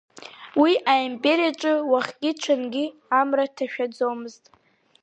Уи аимпериаҿы уахгьы ҽынгьы амра ҭашәаӡомызт.